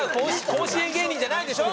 甲子園芸人じゃないでしょ。